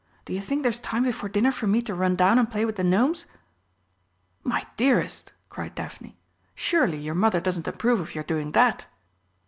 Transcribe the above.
Do you think there's time before dinner for me to run down and play with the Gnomes?" "My dearest!" cried Daphne, "surely your Mother doesn't approve of your doing that?"